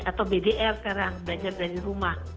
atau bdr sekarang belajar dari rumah